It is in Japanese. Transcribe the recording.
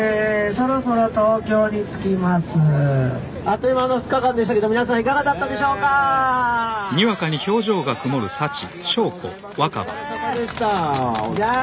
そろそろ東京に着きますあっという間の２日間でしたけど皆さんいかがだったでしょうか楽しかったでーすありがとうございますお疲れさまでしたじゃあ